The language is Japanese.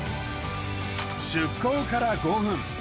出航から５分。